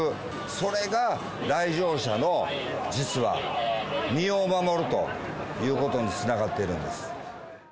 それが来場者の、実は身を守るということにつながってるんです。